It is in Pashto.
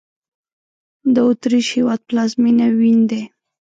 د اوترېش هېواد پلازمېنه وین دی